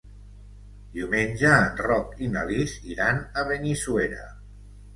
Diumenge en Roc i na Lis iran a Benissuera.